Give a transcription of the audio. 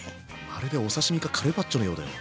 まるでお刺身かカルパッチョのようだよ。